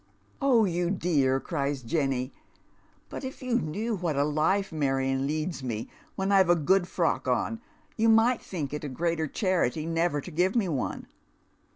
" Oh, you dear !" cries Jenny ; "but if you knew what a life Marion leads me when I've a good frock on you might think it a greater charity never to give me one."